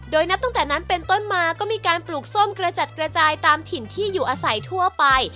โดยนับตั้งแต่นั้นเป็นต้นมาก็มีการปลูกส้มกระจัดกระจายตามถิ่นที่อยู่อาศัยทั่วไป